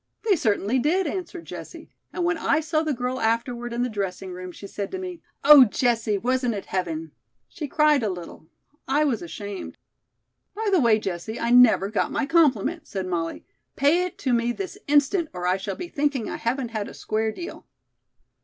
"They certainly did," answered Jessie, "and when I saw the girl afterward in the dressing room, she said to me, 'Oh, Jessie, wasn't it heaven?' She cried a little. I was ashamed." "By the way, Jessie, I never got my compliment," said Molly. "Pay it to me this instant, or I shall be thinking I haven't had a 'square deal.'"